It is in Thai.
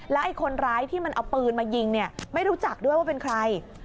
ไอ้คนร้ายที่มันเอาปืนมายิงเนี่ยไม่รู้จักด้วยว่าเป็นใคร